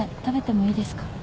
食べてもいいですか？